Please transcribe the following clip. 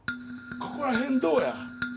ここら辺どうや？